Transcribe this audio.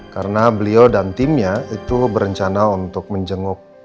karena beliau dan timnya itu berencana untuk menjenguk